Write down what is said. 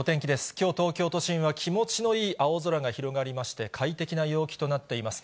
きょう、東京都心は気持ちのいい青空が広がりまして、快適な陽気となっています。